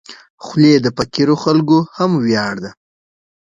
خولۍ د فقیرو خلکو هم ویاړ ده.